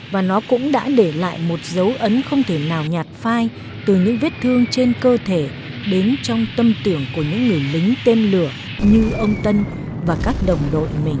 và nó cũng đã để lại một dấu ấn không thể nào nhạt phai từ những vết thương trên cơ thể đến trong tâm tưởng của những người lính tên lửa như ông tân và các đồng đội mình